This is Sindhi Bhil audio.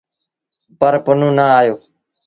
پر پنهون نا آيو۔